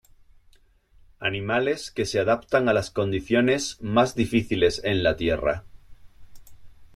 Animales que se adaptan a las condiciones más difíciles en la tierra.